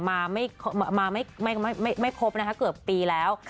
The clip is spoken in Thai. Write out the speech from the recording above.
ทำเดือนเนี่ยมาไม่ครบนะฮะเกือบปีแล้ว